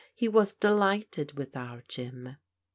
He was delighted with our Jim."